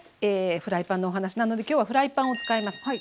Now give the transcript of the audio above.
フライパンのお話なので今日はフライパンを使います。